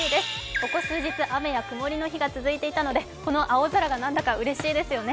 ここ数日、雨や曇りの日が続いていたので、この青空が何だかうれしいですね。